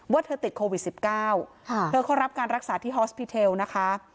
ว่าเธอติดโควิด๑๙เธอเข้ารับการรักษาที่ฮอสพิเทลนะคะ